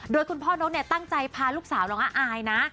โดยคุณพ่อนกเนี่ยตั้งใจพาลูกสาวน้องอายนะ